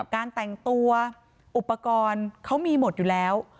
การแต่งตัวอุปกรณ์เขามีหมดอยู่แล้ว